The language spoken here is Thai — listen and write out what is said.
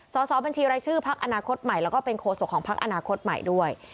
สอบบัญชีรายชื่อพักอนาคตใหม่แล้วก็เป็นโคศกของพักอนาคตใหม่ด้วย